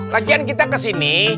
lagian kita ke sini